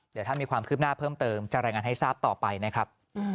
เดี๋ยวถ้ามีความคืบหน้าเพิ่มเติมจะรายงานให้ทราบต่อไปนะครับ